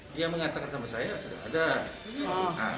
dia mengatakan sama saya sudah ada